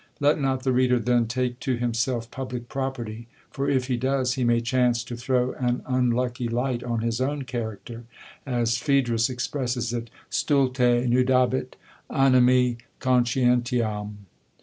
Let not the reader then take to himself public property ; for if he does, he may chance to throw an unlucky light on his own character : as Phaedrus expresses it, StulQ nudabit animi conscientiam.